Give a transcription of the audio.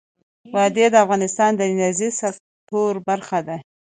وادي د افغانستان د انرژۍ سکتور برخه ده.